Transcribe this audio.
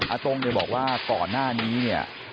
อาตงบอกว่าก่อนหน้านี้เนี่ย